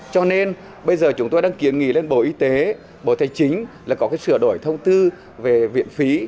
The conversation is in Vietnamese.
cho nên bây giờ chúng tôi đang kiến nghị lên bộ y tế bộ tài chính là có sửa đổi thông tư về viện phí